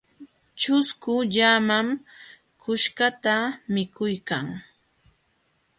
Ćhusku llaman quśhqata mikuykan.